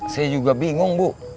saya juga bingung bu